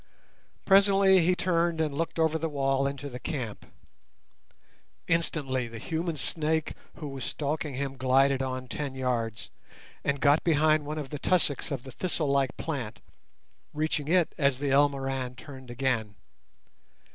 Presently he turned and looked over the wall into the camp. Instantly the human snake who was stalking him glided on ten yards and got behind one of the tussocks of the thistle like plant, reaching it as the Elmoran turned again.